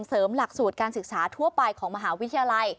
หลักสูตรการศึกษาทั่วไปของมหาวิทยาลัย